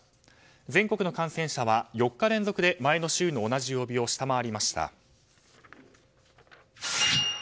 全国の感染者は４日連続で前の週の同じ曜日を下回りました。